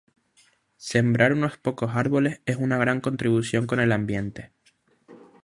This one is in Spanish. Sembrar unos pocos arboles es una gran contribucion con el ambiente